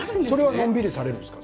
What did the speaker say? のんびりされているんですか？